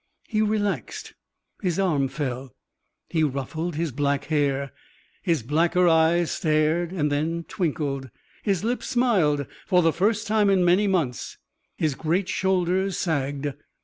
He relaxed. His arm fell. He ruffled his black hair; his blacker eyes stared and then twinkled. His lips smiled for the first time in many months. His great shoulders sagged.